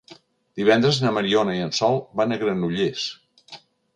Divendres na Mariona i en Sol van a Granollers.